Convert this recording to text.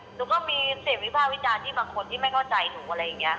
หนูก็มีเสร็จวิบาววิจารณ์ที่มันคลงที่ไม่เข้าใจหนูอะไรเงี้ยคะ